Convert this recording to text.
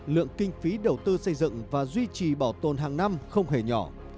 lượng kinh phí đầu tư xây dựng và duy trì bảo tồn hàng năm không hề nhỏ